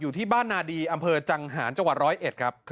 อยู่ที่บ้านนาดีอำเภอจังหารจรวรรษ๑๐๐ครับ